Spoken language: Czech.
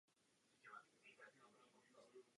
Records a jeho producentem byl Williamson.